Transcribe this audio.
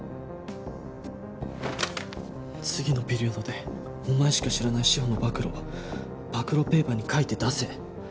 「次のピリオドでお前しか知らない志法の暴露を暴露ペーパーに書いて出せ」？